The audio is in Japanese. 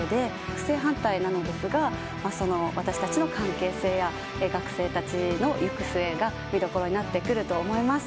正反対なのですが私たちの関係性や学生たちの行く末が見どころになってくると思います。